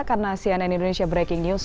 karena cnn indonesia breaking news